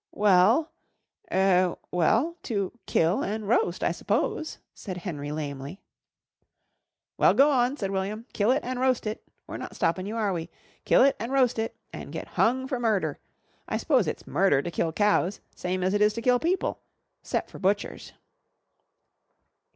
"Well er well to kill an' roast, I suppose," said Henry lamely. "Well, go on," said William. "Kill it an' roast it. We're not stoppin' you, are we? Kill it an' roast it an' get hung for murder. I s'pose it's murder to kill cows same as it is to kill people 'cept for butchers."